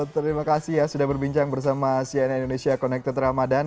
terima kasih ya sudah berbincang bersama cnn indonesia connected ramadhan